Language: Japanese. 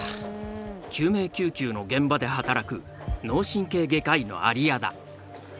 救命救急の現場で働く脳神経外科医の有屋田。